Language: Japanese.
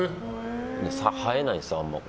生えないです、あんまり。